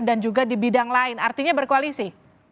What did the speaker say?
juga di bidang lain artinya berkoalisi